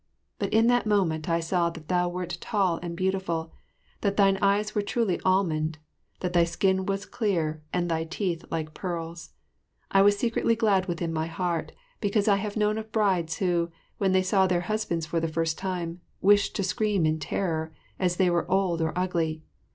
But in that moment I saw that thou wert tall and beautiful, that thine eyes were truly almond, that thy skin was clear and thy teeth like pearls. I was secretly glad within my heart, because I have known of brides who, when they saw their husbands for the first time, wished to scream in terror, as they were old or ugly.